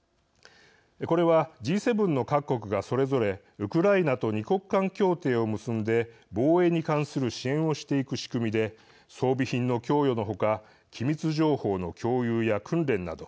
これは、Ｇ７の各国がそれぞれウクライナと二国間協定を結んで防衛に関する支援をしていく仕組みで装備品の供与の他機密情報の共有や訓練など